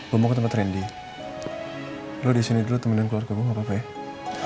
gue mau ke tempat trendy lo di sini dulu temenin keluarga gue nggak apa apa ya